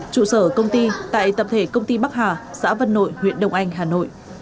trụ sở công ty tại tập thể công ty bắc hà xã vân nội huyện đông anh hà nội